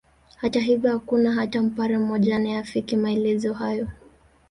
Hata hivyo hakuna hata Mpare mmoja anayeafiki maelezo hayo